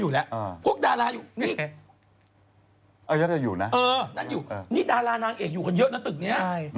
พวกดาราอยู่นี่นั่นอยู่นี่ดารานางเอกอยู่กันเยอะนะตึกนี้